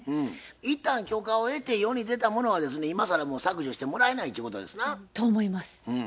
一旦許可を得て世に出たものはですね今更もう削除してもらえないっちゅうことですな？と思います。